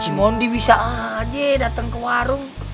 mondi bisa aja datang ke warung